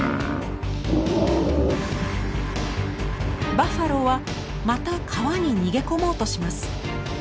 バッファローはまた川に逃げ込もうとします。